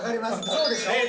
そうでしょ？